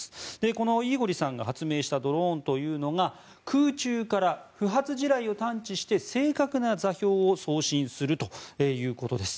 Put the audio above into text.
このイーゴリさんが発明したドローンというのが空中から不発地雷を探知して正確な座標を送信するということです。